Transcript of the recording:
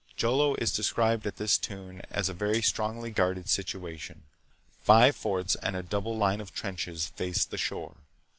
Jolo is described at this tune as a very strongly guarded situation. Five forts and a double line of trenches faced the shore.